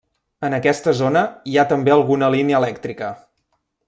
En aquesta zona hi ha també alguna línia elèctrica.